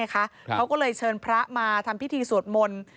เขาก็เลยเชิญพระมาทำพิธีสวดมนต์